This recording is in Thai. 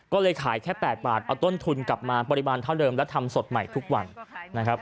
ก็เลยขายแค่๘บาทเอาต้นทุนกลับมาปริมาณเท่าเดิมและทำสดใหม่ทุกวันนะครับ